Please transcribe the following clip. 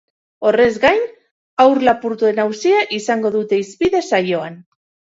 Horrez gain, haur lapurtuen auzia izango dute hizpide saioan.